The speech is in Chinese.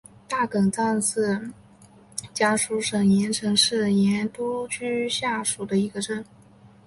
大冈镇是江苏省盐城市盐都区下属的一个镇。